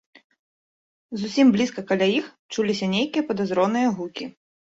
Зусім блізка каля іх чуліся нейкія падазроныя гукі.